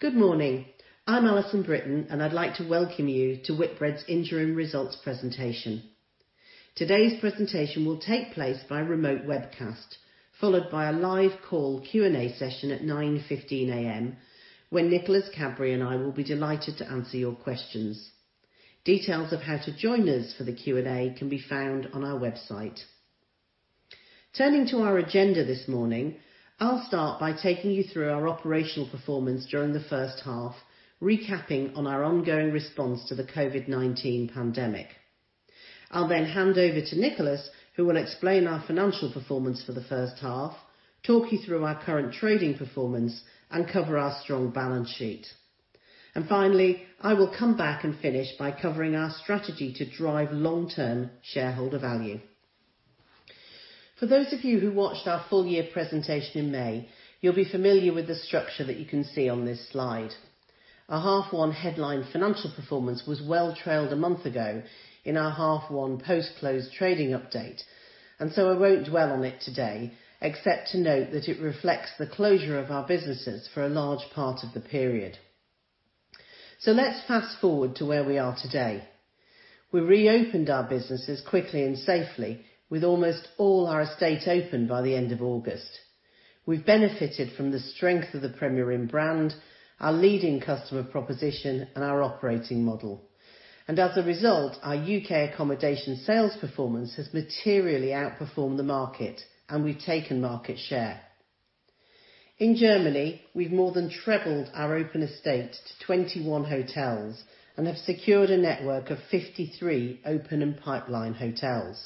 Good morning. I'm Alison Brittain, and I'd like to welcome you to Whitbread's Interim Results Presentation. Today's presentation will take place by remote webcast, followed by a live call Q&A session at 9:15 A.M., when Nicholas and I will be delighted to answer your questions. Details of how to join us for the Q&A can be found on our website. Turning to our agenda this morning, I'll start by taking you through our operational performance during the first half, recapping on our ongoing response to the COVID-19 pandemic. I'll then hand over to Nicholas, who will explain our financial performance for the first half, talk you through our current trading performance, and cover our strong balance sheet. Finally, I will come back and finish by covering our strategy to drive long-term shareholder value. For those of you who watched our full year presentation in May, you'll be familiar with the structure that you can see on this slide. Our Half 1 headline financial performance was well trailed a month ago in our Half 1 post-closed trading update, I won't dwell on it today, except to note that it reflects the closure of our businesses for a large part of the period. Let's fast-forward to where we are today. We reopened our businesses quickly and safely with almost all our estate open by the end of August. We've benefited from the strength of the Premier Inn brand, our leading customer proposition, and our operating model. As a result, our U.K. accommodation sales performance has materially outperformed the market, and we've taken market share. In Germany, we've more than trebled our open estate to 21 hotels and have secured a network of 53 open and pipeline hotels.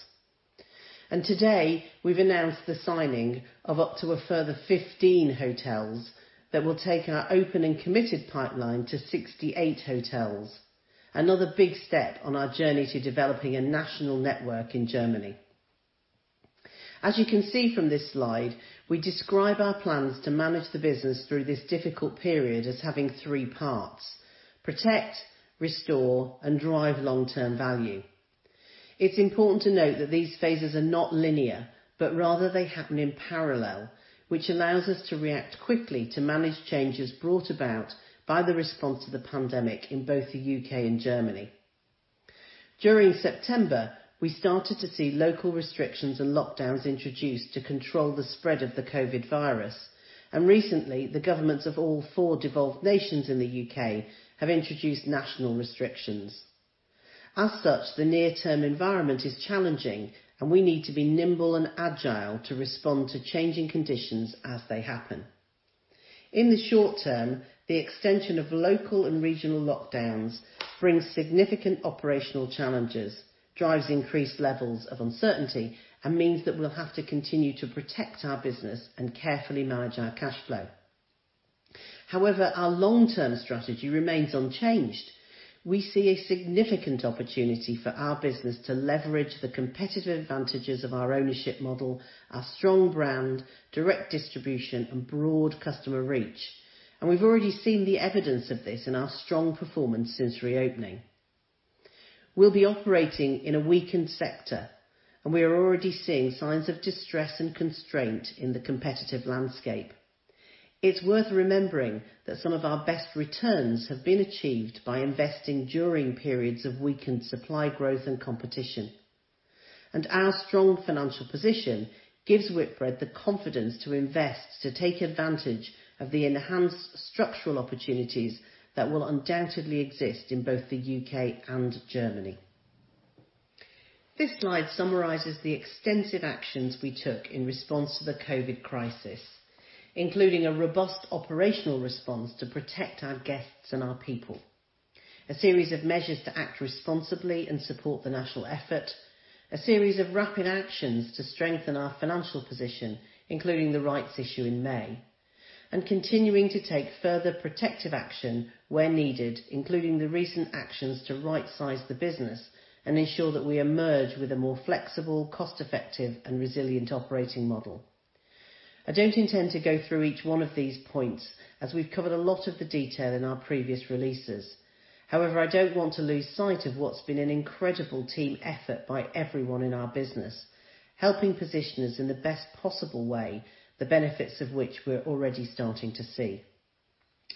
Today, we've announced the signing of up to a further 15 hotels that will take our open and committed pipeline to 68 hotels. Another big step on our journey to developing a national network in Germany. As you can see from this slide, we describe our plans to manage the business through this difficult period as having three parts: protect, restore, and drive long-term value. It's important to note that these phases are not linear, but rather they happen in parallel, which allows us to react quickly to manage changes brought about by the response to the pandemic in both the U.K. and Germany. During September, we started to see local restrictions and lockdowns introduced to control the spread of the COVID virus. Recently, the governments of all four devolved nations in the U.K. have introduced national restrictions. As such, the near-term environment is challenging and we need to be nimble and agile to respond to changing conditions as they happen. In the short term, the extension of local and regional lockdowns brings significant operational challenges, drives increased levels of uncertainty, and means that we'll have to continue to protect our business and carefully manage our cash flow. However, our long-term strategy remains unchanged. We see a significant opportunity for our business to leverage the competitive advantages of our ownership model, our strong brand, direct distribution, and broad customer reach. We've already seen the evidence of this in our strong performance since reopening. We'll be operating in a weakened sector, and we are already seeing signs of distress and constraint in the competitive landscape. It's worth remembering that some of our best returns have been achieved by investing during periods of weakened supply growth and competition. Our strong financial position gives Whitbread the confidence to invest, to take advantage of the enhanced structural opportunities that will undoubtedly exist in both the U.K. and Germany. This slide summarizes the extensive actions we took in response to the COVID crisis, including a robust operational response to protect our guests and our people. A series of measures to act responsibly and support the national effort, a series of rapid actions to strengthen our financial position, including the rights issue in May, and continuing to take further protective action where needed, including the recent actions to rightsize the business and ensure that we emerge with a more flexible, cost-effective, and resilient operating model. I don't intend to go through each one of these points, as we've covered a lot of the detail in our previous releases. However, I don't want to lose sight of what's been an incredible team effort by everyone in our business, helping position us in the best possible way, the benefits of which we're already starting to see.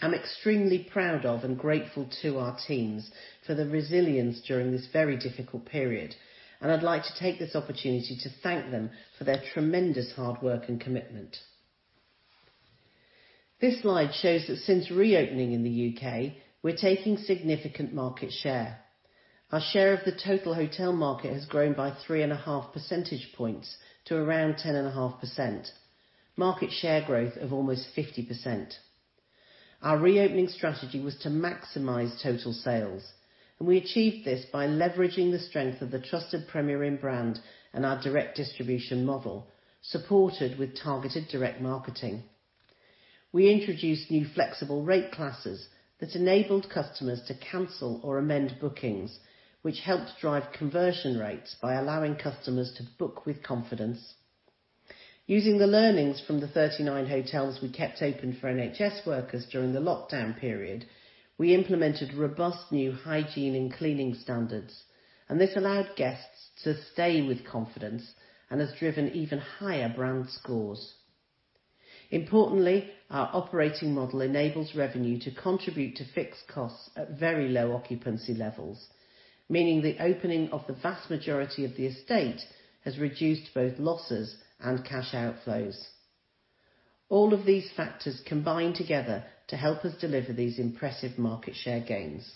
I'm extremely proud of and grateful to our teams for the resilience during this very difficult period, and I'd like to take this opportunity to thank them for their tremendous hard work and commitment. This slide shows that since reopening in the U.K., we're taking significant market share. Our share of the total hotel market has grown by 3.5 percentage points to around 10.5%. Market share growth of almost 50%. Our reopening strategy was to maximize total sales, and we achieved this by leveraging the strength of the trusted Premier Inn brand and our direct distribution model, supported with targeted direct marketing. We introduced new flexible rate classes that enabled customers to cancel or amend bookings, which helped drive conversion rates by allowing customers to book with confidence. Using the learnings from the 39 hotels we kept open for NHS workers during the lockdown period, we implemented robust new hygiene and cleaning standards, and this allowed guests to stay with confidence and has driven even higher brand scores. Importantly, our operating model enables revenue to contribute to fixed costs at very low occupancy levels, meaning the opening of the vast majority of the estate has reduced both losses and cash outflows. All of these factors combine together to help us deliver these impressive market share gains.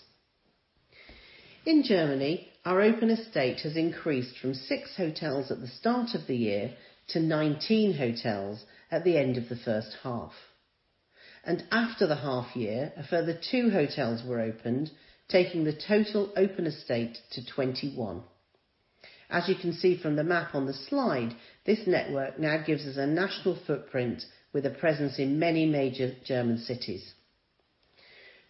In Germany, our open estate has increased from six hotels at the start of the year to 19 hotels at the end of the first half. After the half year, a further two hotels were opened, taking the total open estate to 21. As you can see from the map on the slide, this network now gives us a national footprint with a presence in many major German cities.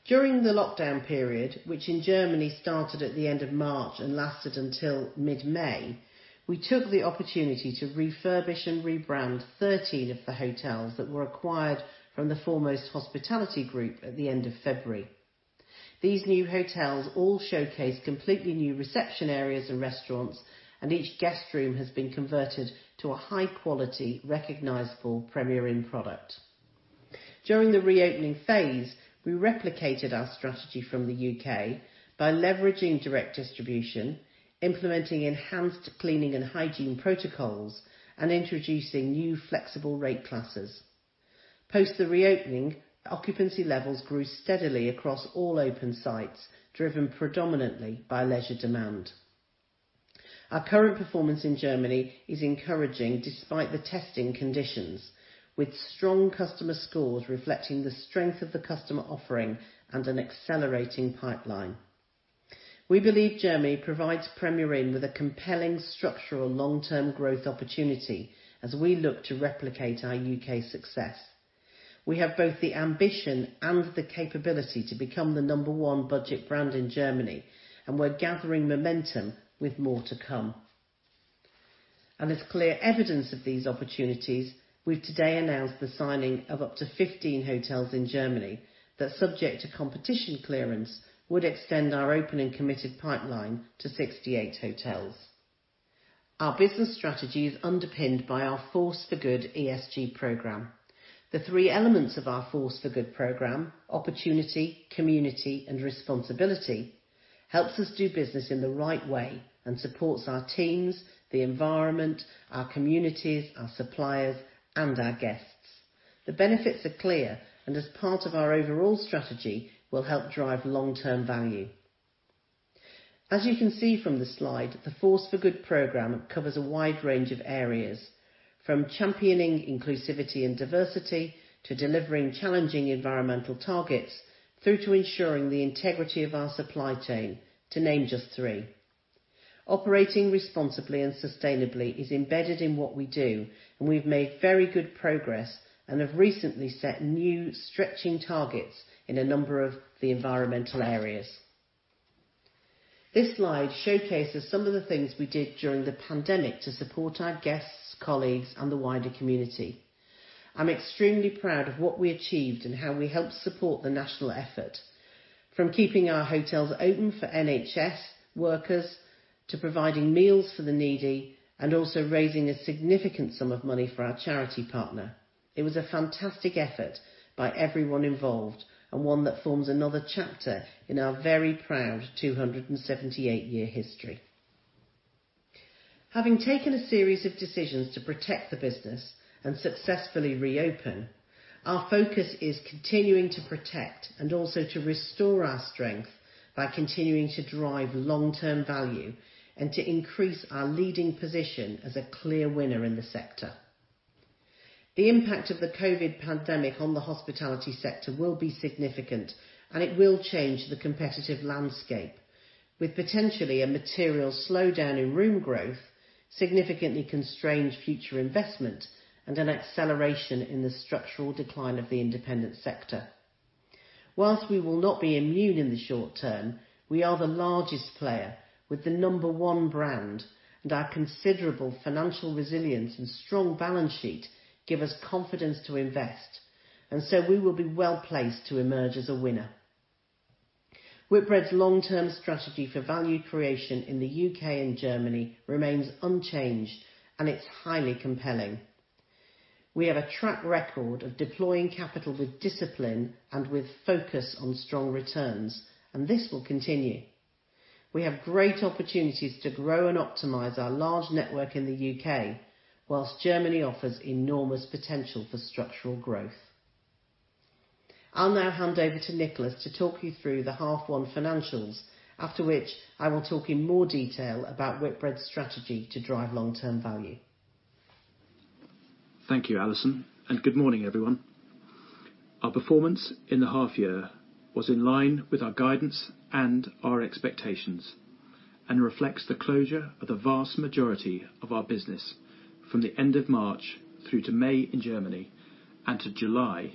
During the lockdown period, which in Germany started at the end of March and lasted until mid-May, we took the opportunity to refurbish and rebrand 13 of the hotels that were acquired from the Foremost Hospitality Group at the end of February. These new hotels all showcase completely new reception areas and restaurants, and each guest room has been converted to a high-quality, recognizable Premier Inn product. During the reopening phase, we replicated our strategy from the U.K. by leveraging direct distribution, implementing enhanced cleaning and hygiene protocols, and introducing new flexible rate classes. Post the reopening, occupancy levels grew steadily across all open sites, driven predominantly by leisure demand. Our current performance in Germany is encouraging despite the testing conditions, with strong customer scores reflecting the strength of the customer offering and an accelerating pipeline. We believe Germany provides Premier Inn with a compelling structural long-term growth opportunity as we look to replicate our U.K. success. We have both the ambition and the capability to become the number one budget brand in Germany, and we're gathering momentum with more to come. As clear evidence of these opportunities, we've today announced the signing of up to 15 hotels in Germany that, subject to competition clearance, would extend our open and committed pipeline to 68 hotels. Our business strategy is underpinned by our Force for Good ESG program. The three elements of our Force for Good program, opportunity, community, and responsibility, helps us do business in the right way and supports our teams, the environment, our communities, our suppliers, and our guests. The benefits are clear, as part of our overall strategy, will help drive long-term value. As you can see from the slide, the Force for Good program covers a wide range of areas, from championing inclusivity and diversity, to delivering challenging environmental targets, through to ensuring the integrity of our supply chain, to name just three. Operating responsibly and sustainably is embedded in what we do, and we've made very good progress and have recently set new stretching targets in a number of the environmental areas. This slide showcases some of the things we did during the pandemic to support our guests, colleagues, and the wider community. I'm extremely proud of what we achieved and how we helped support the national effort, from keeping our hotels open for NHS workers, to providing meals for the needy, and also raising a significant sum of money for our charity partner. It was a fantastic effort by everyone involved, and one that forms another chapter in our very proud 278-year history. Having taken a series of decisions to protect the business and successfully reopen, our focus is continuing to protect and also to restore our strength by continuing to drive long-term value and to increase our leading position as a clear winner in the sector. The impact of the COVID pandemic on the hospitality sector will be significant, and it will change the competitive landscape, with potentially a material slowdown in room growth, significantly constrained future investment, and an acceleration in the structural decline of the independent sector. Whilst we will not be immune in the short term, we are the largest player with the number one brand, and our considerable financial resilience and strong balance sheet give us confidence to invest, and so we will be well placed to emerge as a winner. Whitbread's long-term strategy for value creation in the U.K. and Germany remains unchanged and it's highly compelling. We have a track record of deploying capital with discipline and with focus on strong returns, and this will continue. We have great opportunities to grow and optimize our large network in the U.K., whilst Germany offers enormous potential for structural growth. I'll now hand over to Nicholas to talk you through the Half One financials, after which I will talk in more detail about Whitbread's strategy to drive long-term value. Thank you, Alison. Good morning, everyone. Our performance in the half year was in line with our guidance and our expectations, and reflects the closure of the vast majority of our business from the end of March through to May in Germany, and to July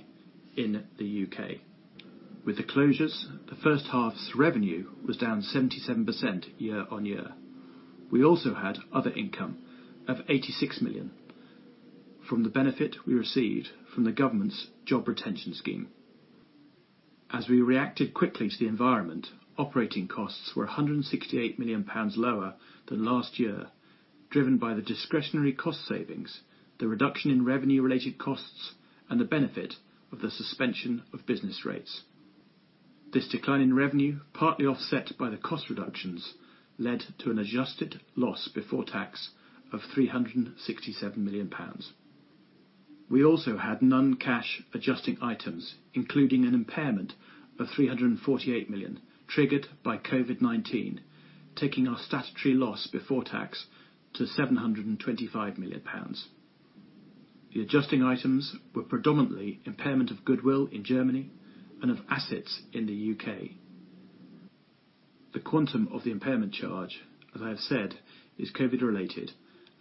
in the U.K. With the closures, the first half's revenue was down 77% year-on-year. We also had other income of 86 million from the benefit we received from the government's Job Retention Scheme. As we reacted quickly to the environment, operating costs were 168 million pounds lower than last year, driven by the discretionary cost savings, the reduction in revenue-related costs, and the benefit of the suspension of business rates. This decline in revenue, partly offset by the cost reductions, led to an adjusted loss before tax of 367 million pounds. We also had non-cash adjusting items, including an impairment of 348 million, triggered by COVID-19, taking our statutory loss before tax to 725 million pounds. The adjusting items were predominantly impairment of goodwill in Germany and of assets in the U.K. The quantum of the impairment charge, as I have said, is COVID-related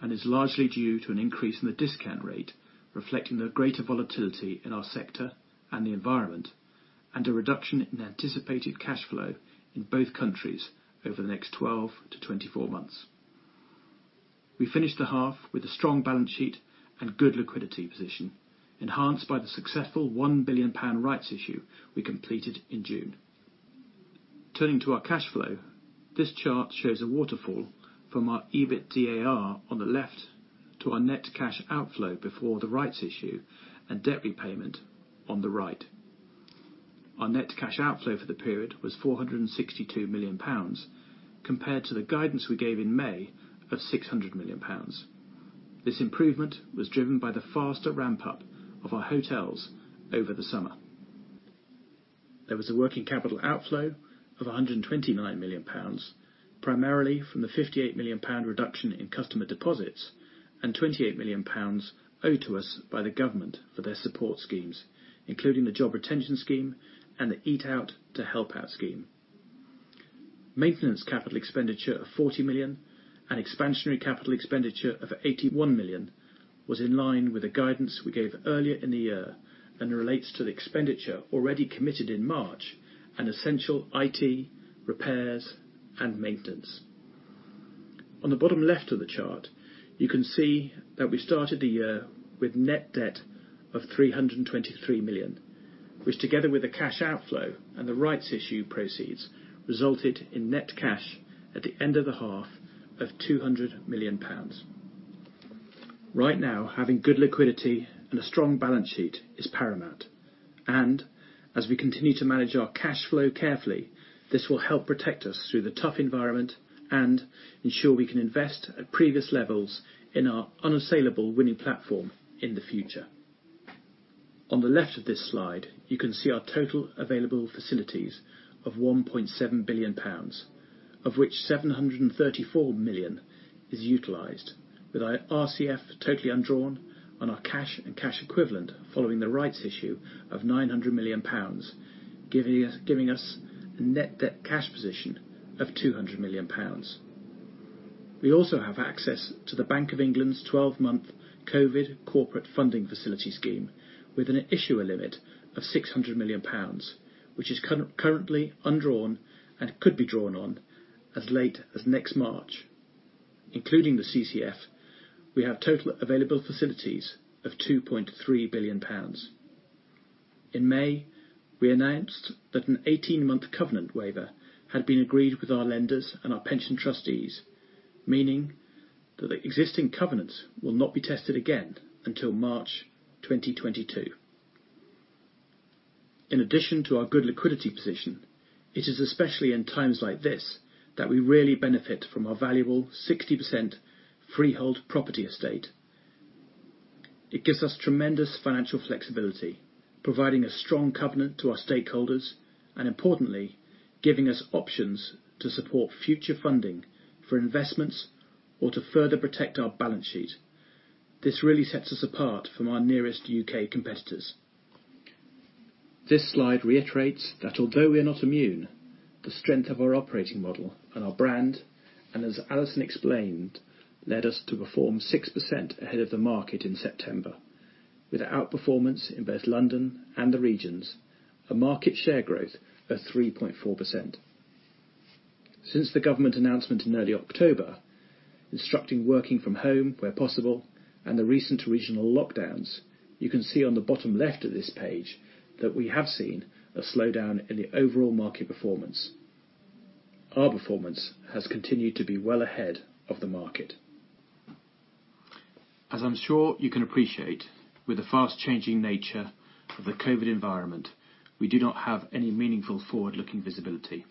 and is largely due to an increase in the discount rate, reflecting the greater volatility in our sector and the environment, and a reduction in anticipated cash flow in both countries over the next 12-24 months. We finished the half with a strong balance sheet and good liquidity position, enhanced by the successful 1 billion pound rights issue we completed in June. Turning to our cash flow, this chart shows a waterfall from our EBITDA on the left to our net cash outflow before the rights issue and debt repayment on the right. Our net cash outflow for the period was 462 million pounds, compared to the guidance we gave in May of 600 million pounds. This improvement was driven by the faster ramp-up of our hotels over the summer. There was a working capital outflow of 129 million pounds, primarily from the 58 million pound reduction in customer deposits and 28 million pounds owed to us by the government for their support schemes, including the Job Retention Scheme and the Eat Out to Help Out scheme. Maintenance capital expenditure of 40 million and expansionary capital expenditure of 81 million was in line with the guidance we gave earlier in the year and relates to the expenditure already committed in March and essential IT, repairs, and maintenance. On the bottom left of the chart, you can see that we started the year with net debt of 323 million, which together with the cash outflow and the rights issue proceeds, resulted in net cash at the end of the half of £200 million. Right now, having good liquidity and a strong balance sheet is paramount. As we continue to manage our cash flow carefully, this will help protect us through the tough environment and ensure we can invest at previous levels in our unassailable winning platform in the future. On the left of this slide, you can see our total available facilities of 1.7 billion pounds, of which 734 million is utilized, with our RCF totally undrawn on our cash and cash equivalent following the rights issue of 900 million pounds, giving us a net debt cash position of 200 million pounds. We also have access to the Bank of England's 12-month Covid Corporate Financing Facility scheme with an issuer limit of 600 million pounds, which is currently undrawn and could be drawn on as late as next March. Including the CCFF, we have total available facilities of 2.3 billion pounds. In May, we announced that an 18-month covenant waiver had been agreed with our lenders and our pension trustees, meaning that the existing covenants will not be tested again until March 2022. In addition to our good liquidity position, it is especially in times like this that we really benefit from our valuable 60% freehold property estate. It gives us tremendous financial flexibility, providing a strong covenant to our stakeholders, and importantly, giving us options to support future funding for investments or to further protect our balance sheet. This really sets us apart from our nearest U.K. competitors. This slide reiterates that although we are not immune, the strength of our operating model and our brand, and as Alison explained, led us to perform 6% ahead of the market in September with outperformance in both London and the regions, a market share growth of 3.4%. Since the government announcement in early October, instructing working from home where possible and the recent regional lockdowns, you can see on the bottom left of this page that we have seen a slowdown in the overall market performance. Our performance has continued to be well ahead of the market. As I'm sure you can appreciate, with the fast-changing nature of the COVID environment, we do not have any meaningful forward-looking visibility.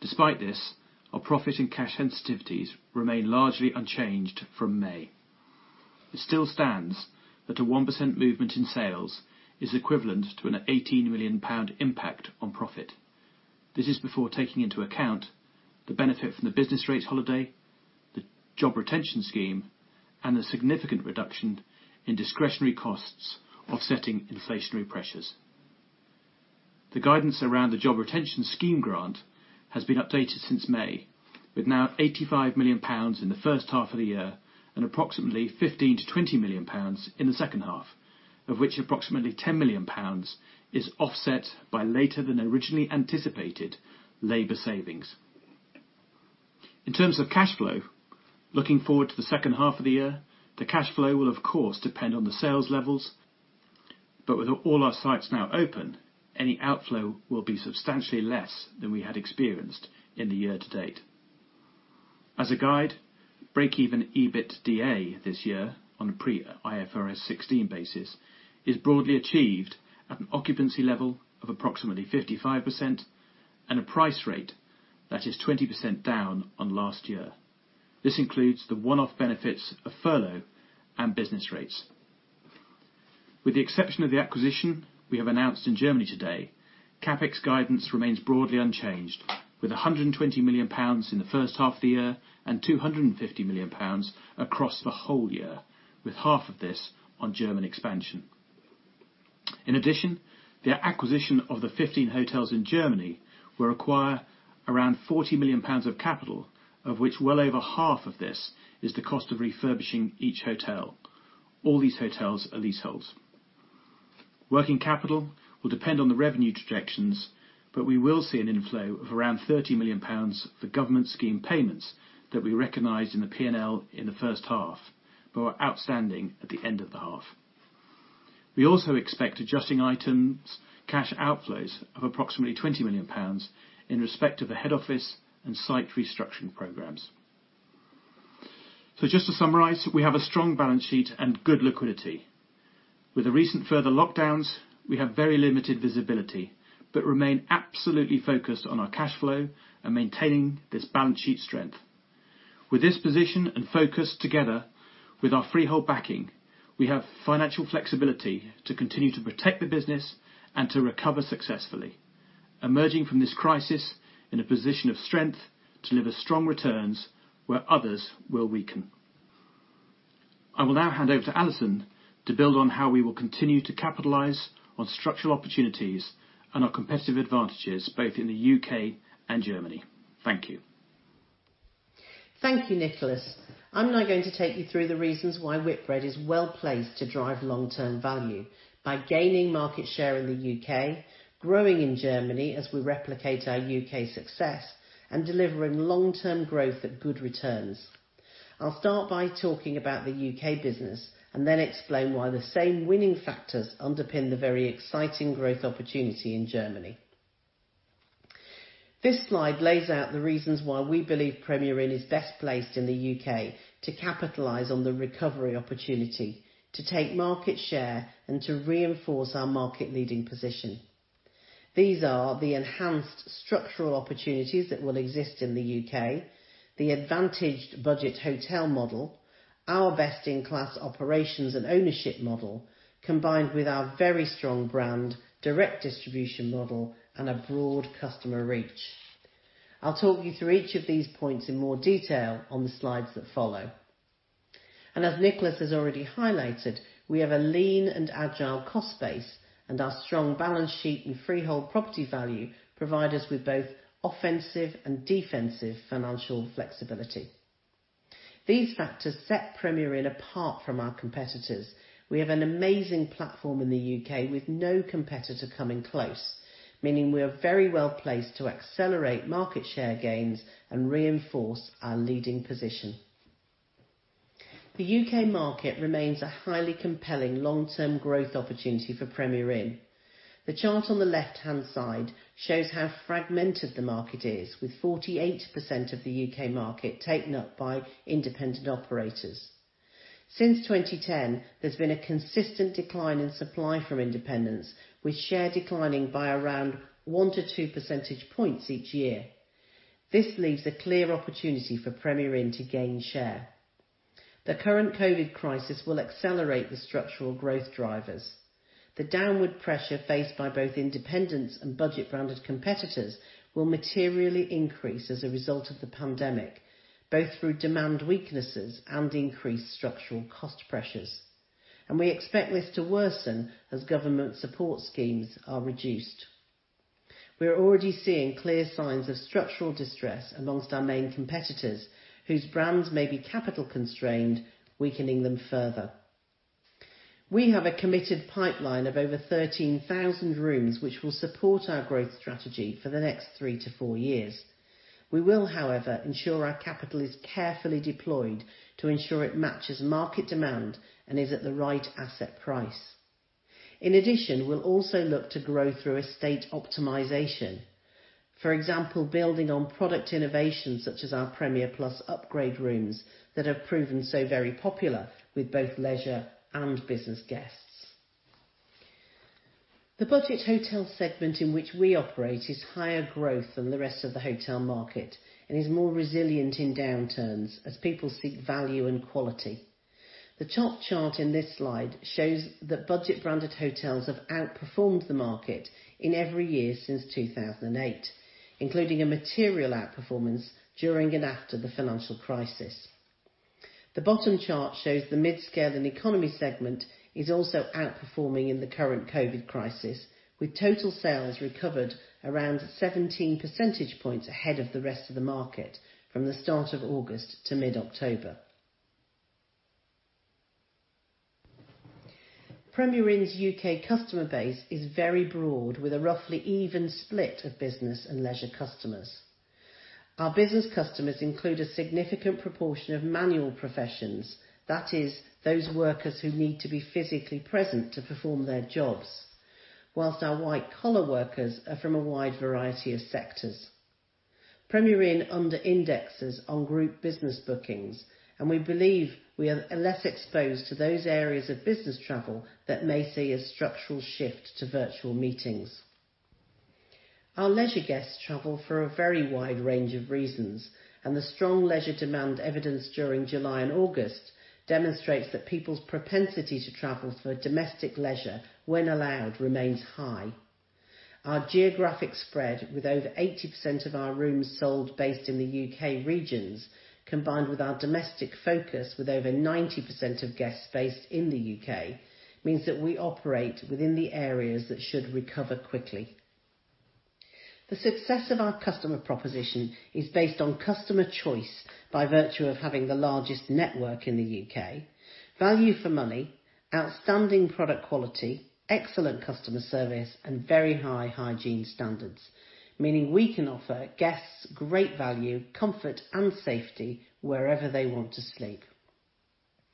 Despite this, our profit and cash sensitivities remain largely unchanged from May. It still stands that a 1% movement in sales is equivalent to an 18 million pound impact on profit. This is before taking into account the benefit from the business rates holiday, the Job Retention Scheme, and the significant reduction in discretionary costs offsetting inflationary pressures. The guidance around the Job Retention Scheme grant has been updated since May, with now 85 million pounds in the first half of the year and approximately 15 million-20 million pounds in the second half, of which approximately 10 million pounds is offset by later than originally anticipated labor savings. In terms of cash flow, looking forward to the second half of the year, the cash flow will, of course, depend on the sales levels. With all our sites now open, any outflow will be substantially less than we had experienced in the year to date. As a guide, break-even EBITDA this year on a pre IFRS 16 basis is broadly achieved at an occupancy level of approximately 55% and a price rate that is 20% down on last year. This includes the one-off benefits of furlough and business rates. With the exception of the acquisition we have announced in Germany today, CapEx guidance remains broadly unchanged, with 120 million pounds in the first half of the year and 250 million pounds across the whole year, with half of this on German expansion. In addition, their acquisition of the 15 hotels in Germany will require around 40 million pounds of capital, of which well over half of this is the cost of refurbishing each hotel. All these hotels are leaseholds. Working capital will depend on the revenue trajectories, but we will see an inflow of around 30 million pounds for government scheme payments that we recognized in the P&L in the first half but were outstanding at the end of the half. We also expect adjusting items cash outflows of approximately 20 million pounds in respect of the head office and site restructuring programs. Just to summarize, we have a strong balance sheet and good liquidity. With the recent further lockdowns, we have very limited visibility, but remain absolutely focused on our cash flow and maintaining this balance sheet strength. With this position and focus together with our freehold backing, we have financial flexibility to continue to protect the business and to recover successfully, emerging from this crisis in a position of strength to deliver strong returns where others will weaken. I will now hand over to Alison to build on how we will continue to capitalize on structural opportunities and our competitive advantages both in the U.K. and Germany. Thank you. Thank you, Nicholas. I'm now going to take you through the reasons why Whitbread is well-placed to drive long-term value by gaining market share in the U.K., growing in Germany as we replicate our U.K. success, and delivering long-term growth at good returns. I'll start by talking about the U.K. business and then explain why the same winning factors underpin the very exciting growth opportunity in Germany. This slide lays out the reasons why we believe Premier Inn is best placed in the U.K. to capitalize on the recovery opportunity, to take market share, and to reinforce our market leading position. These are the enhanced structural opportunities that will exist in the U.K., the advantaged budget hotel model, our best-in-class operations and ownership model, combined with our very strong brand, direct distribution model, and a broad customer reach. I'll talk you through each of these points in more detail on the slides that follow. As Nicholas has already highlighted, we have a lean and agile cost base, and our strong balance sheet and freehold property value provide us with both offensive and defensive financial flexibility. These factors set Premier Inn apart from our competitors. We have an amazing platform in the U.K. with no competitor coming close, meaning we are very well placed to accelerate market share gains and reinforce our leading position. The U.K. market remains a highly compelling long-term growth opportunity for Premier Inn. The chart on the left-hand side shows how fragmented the market is, with 48% of the U.K. market taken up by independent operators. Since 2010, there's been a consistent decline in supply from independents, with share declining by around one to two percentage points each year. This leaves a clear opportunity for Premier Inn to gain share. The current COVID crisis will accelerate the structural growth drivers. The downward pressure faced by both independents and budget branded competitors will materially increase as a result of the pandemic, both through demand weaknesses and increased structural cost pressures. We expect this to worsen as government support schemes are reduced. We are already seeing clear signs of structural distress amongst our main competitors, whose brands may be capital constrained, weakening them further. We have a committed pipeline of over 13,000 rooms, which will support our growth strategy for the next three to four years. We will, however, ensure our capital is carefully deployed to ensure it matches market demand and is at the right asset price. In addition, we'll also look to grow through estate optimization. For example, building on product innovations such as our Premier Plus upgrade rooms that have proven so very popular with both leisure and business guests. The budget hotel segment in which we operate is higher growth than the rest of the hotel market and is more resilient in downturns as people seek value and quality. The top chart in this slide shows that budget branded hotels have outperformed the market in every year since 2008, including a material outperformance during and after the financial crisis. The bottom chart shows the mid-scale and economy segment is also outperforming in the current COVID crisis, with total sales recovered around 17 percentage points ahead of the rest of the market from the start of August to mid-October. Premier Inn's U.K. customer base is very broad, with a roughly even split of business and leisure customers. Our business customers include a significant proportion of manual professions. That is, those workers who need to be physically present to perform their jobs. Whilst our white-collar workers are from a wide variety of sectors. Premier Inn under-indexes on group business bookings, and we believe we are less exposed to those areas of business travel that may see a structural shift to virtual meetings. Our leisure guests travel for a very wide range of reasons, and the strong leisure demand evidenced during July and August demonstrates that people's propensity to travel for domestic leisure, when allowed, remains high. Our geographic spread, with over 80% of our rooms sold based in the U.K. regions, combined with our domestic focus, with over 90% of guests based in the U.K., means that we operate within the areas that should recover quickly. The success of our customer proposition is based on customer choice by virtue of having the largest network in the U.K., value for money, outstanding product quality, excellent customer service, and very high hygiene standards, meaning we can offer guests great value, comfort, and safety wherever they want to sleep.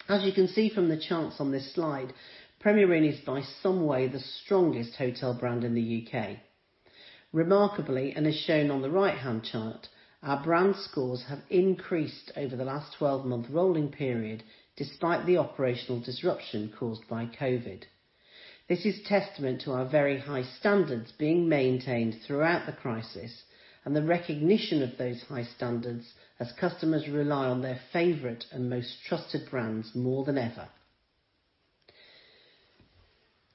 As you can see from the charts on this slide, Premier Inn is by some way the strongest hotel brand in the U.K. Remarkably, as shown on the right-hand chart, our brand scores have increased over the last 12-month rolling period, despite the operational disruption caused by COVID. This is testament to our very high standards being maintained throughout the crisis and the recognition of those high standards as customers rely on their favorite and most trusted brands more than ever.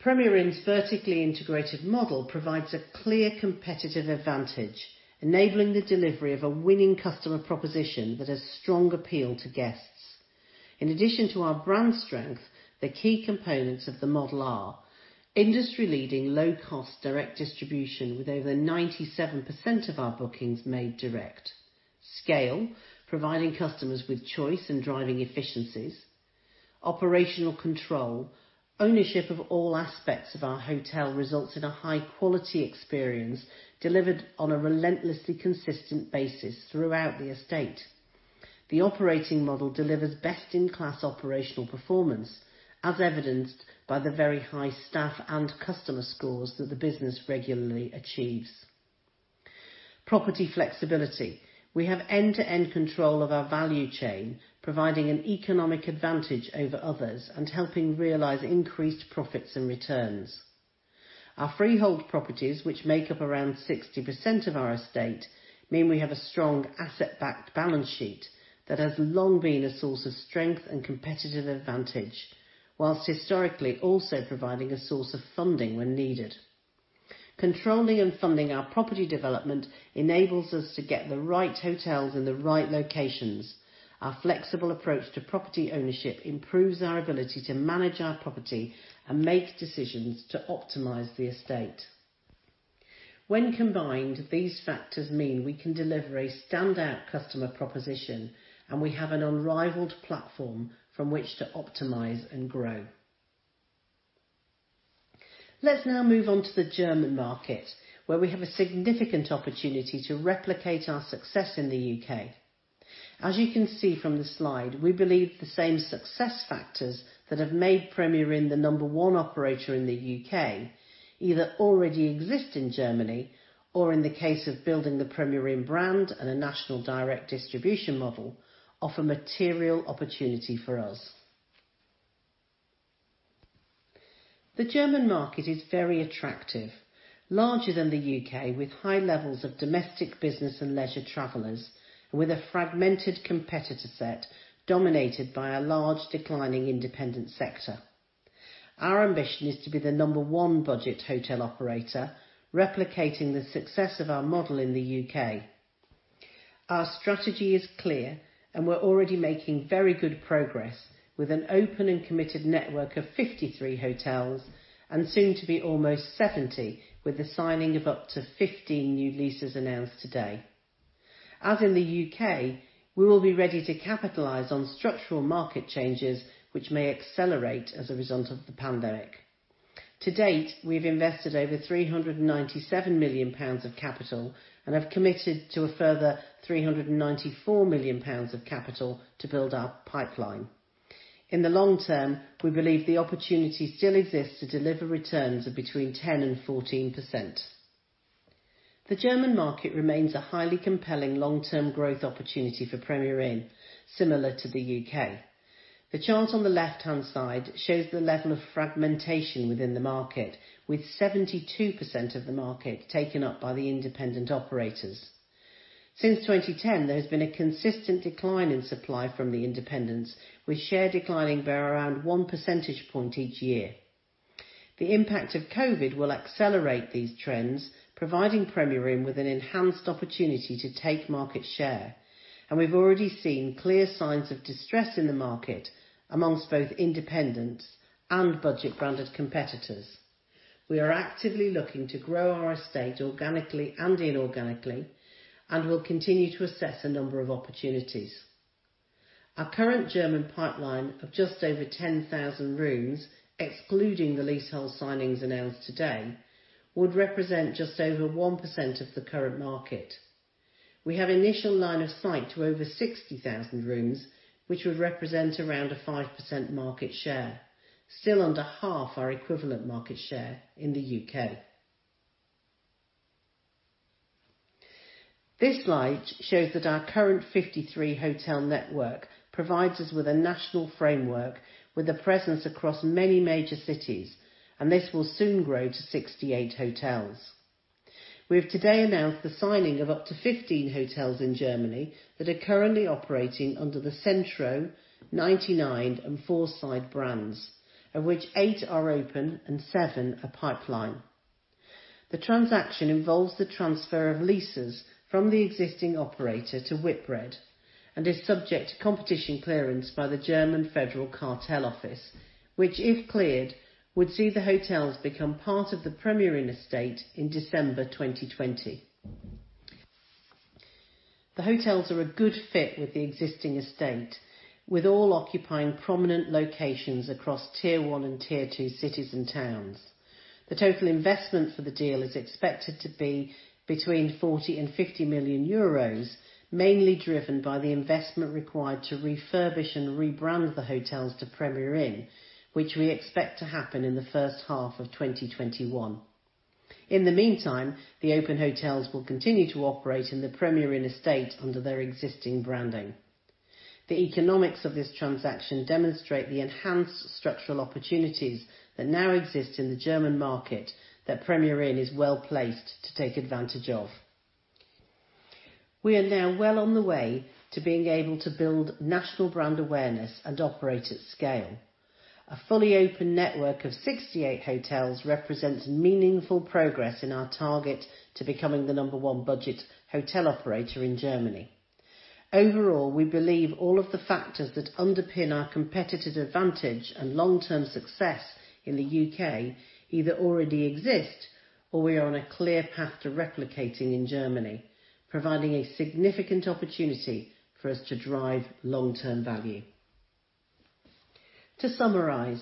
Premier Inn's vertically integrated model provides a clear competitive advantage, enabling the delivery of a winning customer proposition that has strong appeal to guests. In addition to our brand strength, the key components of the model are industry-leading low-cost direct distribution with over 97% of our bookings made direct. Scale, providing customers with choice and driving efficiencies. Operational control. Ownership of all aspects of our hotel results in a high-quality experience delivered on a relentlessly consistent basis throughout the estate. The operating model delivers best-in-class operational performance, as evidenced by the very high staff and customer scores that the business regularly achieves. Property flexibility. We have end-to-end control of our value chain, providing an economic advantage over others and helping realize increased profits and returns. Our freehold properties, which make up around 60% of our estate, mean we have a strong asset-backed balance sheet that has long been a source of strength and competitive advantage while historically also providing a source of funding when needed. Controlling and funding our property development enables us to get the right hotels in the right locations. Our flexible approach to property ownership improves our ability to manage our property and make decisions to optimize the estate. When combined, these factors mean we can deliver a standout customer proposition, and we have an unrivaled platform from which to optimize and grow. Let's now move on to the German market, where we have a significant opportunity to replicate our success in the U.K. As you can see from the slide, we believe the same success factors that have made Premier Inn the number one operator in the U.K. either already exist in Germany or in the case of building the Premier Inn brand and a national direct distribution model, offer material opportunity for us. The German market is very attractive. Larger than the U.K., with high levels of domestic business and leisure travelers with a fragmented competitor set dominated by a large declining independent sector. Our ambition is to be the number one budget hotel operator, replicating the success of our model in the U.K. Our strategy is clear and we're already making very good progress with an open and committed network of 53 hotels and soon to be almost 70 with the signing of up to 15 new leases announced today. As in the U.K., we will be ready to capitalize on structural market changes which may accelerate as a result of the pandemic. To-date, we've invested over 397 million pounds of capital and have committed to a further 394 million pounds of capital to build our pipeline. In the long term, we believe the opportunity still exists to deliver returns of between 10% and 14%. The German market remains a highly compelling long-term growth opportunity for Premier Inn, similar to the U.K. The chart on the left-hand side shows the level of fragmentation within the market, with 72% of the market taken up by the independent operators. Since 2010, there's been a consistent decline in supply from the independents, with share declining by around one percentage point each year. The impact of COVID will accelerate these trends, providing Premier Inn with an enhanced opportunity to take market share. We've already seen clear signs of distress in the market amongst both independents and budget branded competitors. We are actively looking to grow our estate organically and inorganically and will continue to assess a number of opportunities. Our current German pipeline of just over 10,000 rooms, excluding the leasehold signings announced today, would represent just over 1% of the current market. We have initial line of sight to over 60,000 rooms, which would represent around a 5% market share, still under half our equivalent market share in the U.K. This slide shows that our current 53-hotel network provides us with a national framework with a presence across many major cities. This will soon grow to 68 hotels. We have today announced the signing of up to 15 hotels in Germany that are currently operating under the Centro, NinetyNine, and FourSide brands, of which eight are open and seven are pipeline. The transaction involves the transfer of leases from the existing operator to Whitbread and is subject to competition clearance by the German Federal Cartel Office, which, if cleared, would see the hotels become part of the Premier Inn estate in December 2020. The hotels are a good fit with the existing estate, with all occupying prominent locations across Tier 1 and Tier 2 cities and towns. The total investment for the deal is expected to be between 40 million and €50 million, mainly driven by the investment required to refurbish and rebrand the hotels to Premier Inn, which we expect to happen in the first half of 2021. In the meantime, the open hotels will continue to operate in the Premier Inn estate under their existing branding. The economics of this transaction demonstrate the enhanced structural opportunities that now exist in the German market that Premier Inn is well placed to take advantage of. We are now well on the way to being able to build national brand awareness and operate at scale. A fully open network of 68 hotels represents meaningful progress in our target to becoming the number one budget hotel operator in Germany. Overall, we believe all of the factors that underpin our competitive advantage and long-term success in the U.K. either already exist or we are on a clear path to replicating in Germany, providing a significant opportunity for us to drive long-term value. To summarize,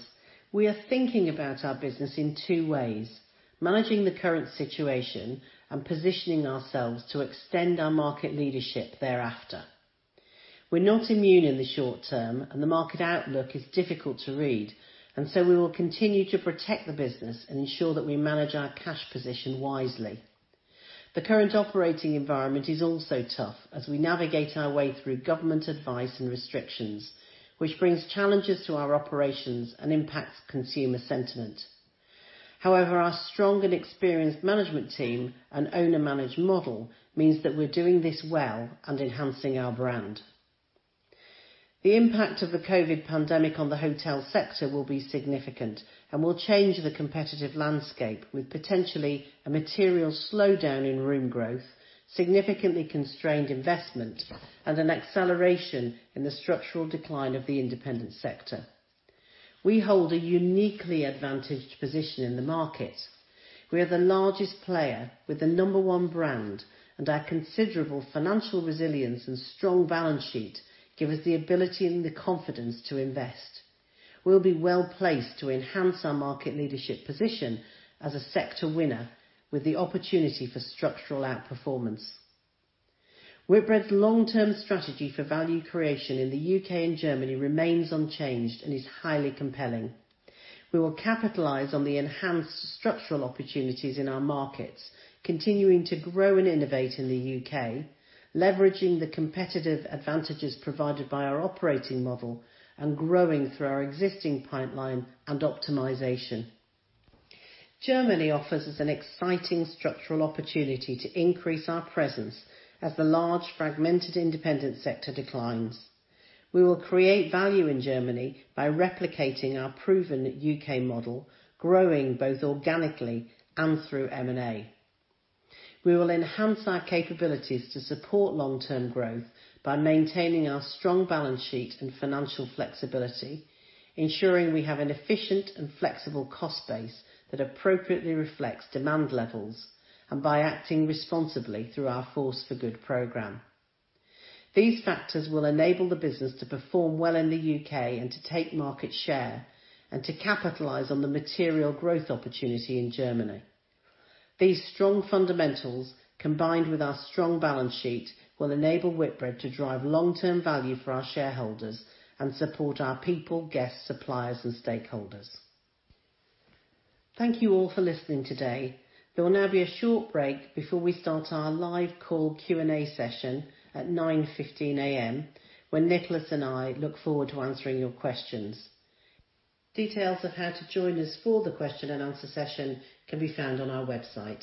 we are thinking about our business in two ways, managing the current situation and positioning ourselves to extend our market leadership thereafter. We're not immune in the short term, and the market outlook is difficult to read, and so we will continue to protect the business and ensure that we manage our cash position wisely. The current operating environment is also tough as we navigate our way through government advice and restrictions, which brings challenges to our operations and impacts consumer sentiment. However, our strong and experienced management team and owner-managed model means that we're doing this well and enhancing our brand. The impact of the COVID pandemic on the hotel sector will be significant and will change the competitive landscape with potentially a material slowdown in room growth, significantly constrained investment, and an acceleration in the structural decline of the independent sector. We hold a uniquely advantaged position in the market. We are the largest player with the number one brand and our considerable financial resilience and strong balance sheet give us the ability and the confidence to invest. We'll be well-placed to enhance our market leadership position as a sector winner with the opportunity for structural outperformance. Whitbread's long-term strategy for value creation in the U.K. and Germany remains unchanged and is highly compelling. We will capitalize on the enhanced structural opportunities in our markets, continuing to grow and innovate in the U.K., leveraging the competitive advantages provided by our operating model, and growing through our existing pipeline and optimization. Germany offers us an exciting structural opportunity to increase our presence as the large, fragmented independent sector declines. We will create value in Germany by replicating our proven U.K. model, growing both organically and through M&A. We will enhance our capabilities to support long-term growth by maintaining our strong balance sheet and financial flexibility, ensuring we have an efficient and flexible cost base that appropriately reflects demand levels, and by acting responsibly through our Force for Good program. These factors will enable the business to perform well in the U.K. and to take market share and to capitalize on the material growth opportunity in Germany. These strong fundamentals, combined with our strong balance sheet, will enable Whitbread to drive long-term value for our shareholders and support our people, guests, suppliers, and stakeholders. Thank you all for listening today. There will now be a short break before we start our live call Q&A session at 9:15 A.M., when Nicholas and I look forward to answering your questions. Details of how to join us for the question and answer session can be found on our website.